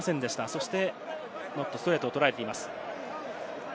そしてノットストレートを取られています。